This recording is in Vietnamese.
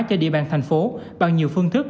cho địa bàn thành phố bằng nhiều phương thức